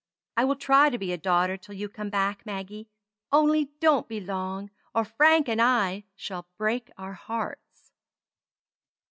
I will try to be a daughter till you come back, Maggie; only don't be long, or Frank and I shall break our hearts."